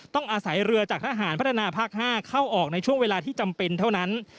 ต้องอาศัยเรือจากทหารพัฒนาภาค๕เข้าออกในช่วงเวลาที่จำเป็นเท่านั้น